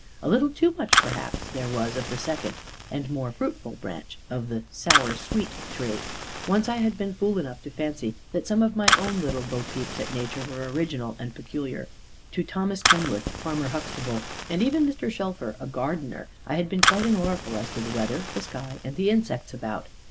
A little too much perhaps there was of the second, and more fruitful branch, of the sour sweet tree. Once I had been fool enough to fancy that some of my own little bopeeps at nature were original and peculiar. To Thomas Kenwood, Farmer Huxtable, and even Mr. Shelfer, a gardener, I had been quite an oracle as to the weather, the sky, and the insects about.